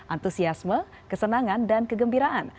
antusiasme kesenangan dan kegembiraan